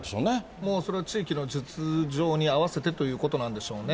もうそれは地域の実情に合わせてということなんでしょうね。